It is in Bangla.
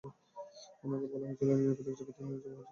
উনাকে বলা হয়েছিল নিরাপদ এক জায়গায় নিয়ে যাওয়া হয়েছিল।